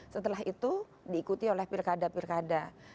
setelah itu diikuti oleh pilkada pilkada